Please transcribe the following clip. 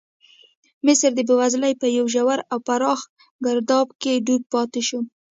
مصر د بېوزلۍ په یو ژور او پراخ ګرداب کې ډوب پاتې شو.